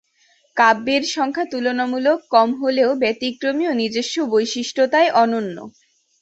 কাব্যের সংখ্যা তুলনামূলক কম হলেও ব্যতিক্রমী ও নিজস্ব বৈশিষ্টতায় অনন্য।